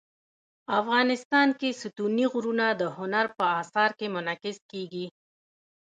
افغانستان کې ستوني غرونه د هنر په اثار کې منعکس کېږي.